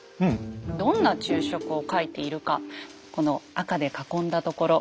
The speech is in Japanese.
どんな注釈を書いているかこの赤で囲んだところ。